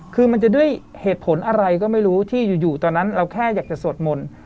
คือมันจะด้วยเหตุผลอะไรก็ไม่รู้ที่อยู่ตอนนั้นเราแค่อยากจะสวดมนต์